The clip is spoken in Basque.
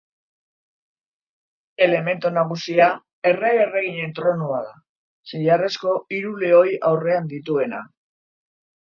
Elementu nagusia Errege-erreginen tronua da, zilarrezko hiru lehoi aurrean dituena.